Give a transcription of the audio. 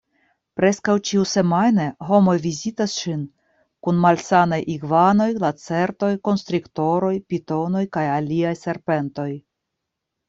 Preskaŭ ĉiusemajne homoj vizitas ŝin kun malsanaj igvanoj, lacertoj, konstriktoroj, pitonoj kaj aliaj serpentoj.